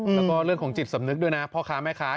แล้วก็เรื่องของจิตสำนึกด้วยนะพ่อค้าแม่ค้า